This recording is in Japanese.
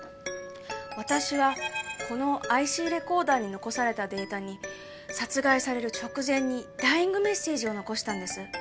私はこのＩＣレコーダーに残されたデータに殺害される直前にダイイングメッセージを残したんです。